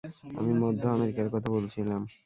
আমি মধ্য আমেরিকার কথা বলছিলাম।